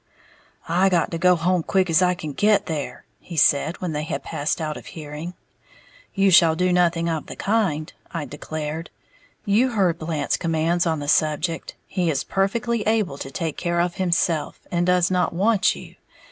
"I got to go home quick as I can get there," he said, when they had passed out of hearing. "You shall do nothing of the kind," I declared; "you heard Blant's commands on the subject. He is perfectly able to take care of himself, and does not want you.